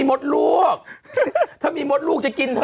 ไม่บัน